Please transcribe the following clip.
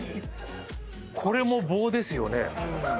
これも棒ですよね？